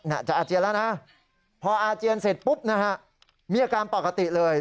อาจจะอาเจียนแล้วนะพออาเจียนเสร็จปุ๊บนะฮะมีอาการปกติเลย